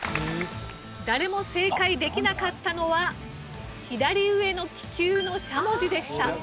誰も正解できなかったのは左上の気球のしゃもじでした。